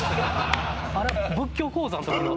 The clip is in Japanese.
あれ仏教講座の時の。